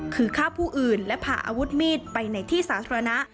คือฆ่าผู้อื่นและพาอาวุธมีดไปในที่สาธารณะ